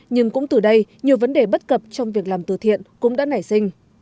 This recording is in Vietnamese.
nhưng cũng từ đây nhiều vấn đề bất cập trong việc làm từ thiện cũng đã nảy sinh